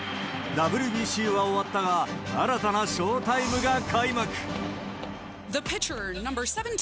ＷＢＣは終わったが、新たなショウタイムが開幕。